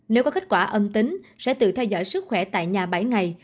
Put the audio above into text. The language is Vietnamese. nếu có kết quả âm tính sẽ tự theo dõi sức khỏe tại nhà bảy ngày